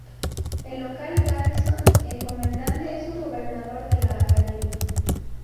El local garrison el comandante es un gobernador de la academia.